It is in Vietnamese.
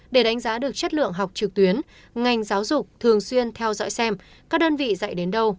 để đánh giá được chất lượng học trực tuyến ngành giáo dục thường xuyên theo dõi xem các đơn vị dạy đến đâu